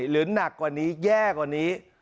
หนักกว่านี้แย่กว่านี้